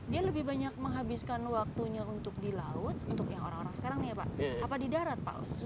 dia lebih banyak menghabiskan waktunya untuk di laut untuk yang orang orang sekarang nih ya pak apa di darat pak